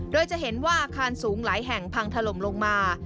โดยจะเห็นว่าอาคารสูงหลายแห่งพังถล่มลงมา